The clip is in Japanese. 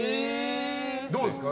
どうですか？